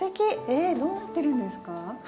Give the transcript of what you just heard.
えどうなってるんですか？